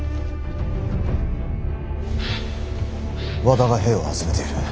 和田が兵を集めている。